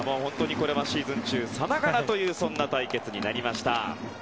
これはシーズン中さながらという対決になりました。